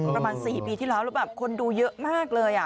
ประมาณ๔ปีที่แล้วแล้วแบบคนดูเยอะมากเลย